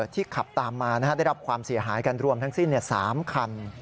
ขับตามมาได้รับความเสียหายกันรวมทั้งสิ้น๓คัน